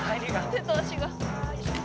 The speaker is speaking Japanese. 「手と足が」